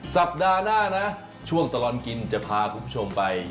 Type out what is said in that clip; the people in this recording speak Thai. สัปดาห์หน้านะช่วงตลอดกินจะพาคุณผู้ชมไป